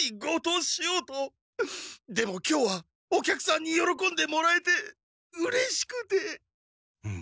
でも今日はお客さんによろこんでもらえてうれしくて。